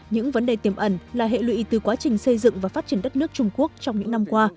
những vấn đề tiềm ẩn là hệ lụy từ quá trình xây dựng và phát triển đất nước trung quốc trong những năm qua